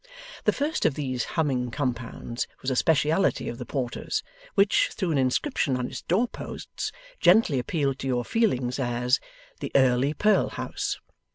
The first of these humming compounds was a speciality of the Porters, which, through an inscription on its door posts, gently appealed to your feelings as, 'The Early Purl House'.